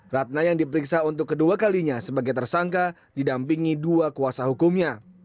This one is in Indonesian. ratna yang diperiksa untuk kedua kalinya sebagai tersangka didampingi dua kuasa hukumnya